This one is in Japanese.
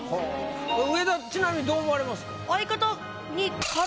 植田ちなみにどう思われますか？